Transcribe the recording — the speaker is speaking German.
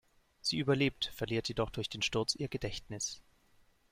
Sie überlebt, verliert jedoch durch den Sturz ihr Gedächtnis.